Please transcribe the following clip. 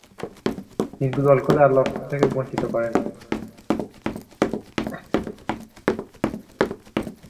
কিন্তু, দলকে তার লক্ষ্য থেকে বঞ্চিত করেন।